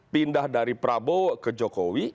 pindah dari prabowo ke jokowi